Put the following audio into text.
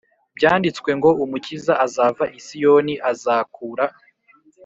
byanditswe ngo Umukiza azava i Siyoni Azakura